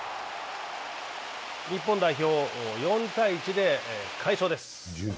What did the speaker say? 日本代表、４−１で快勝です。